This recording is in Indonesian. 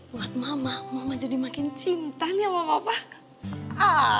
buat mama mama jadi makin cinta nih sama mama